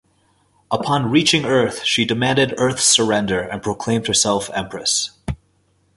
Upon reaching Earth, she demanded Earth's surrender and proclaimed herself Empress.